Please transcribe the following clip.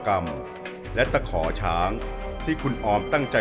เหมือนเล็บแต่ของห้องเหมือนเล็บตลอดเวลา